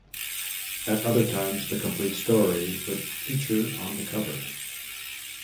At other times the complete story would feature on the cover.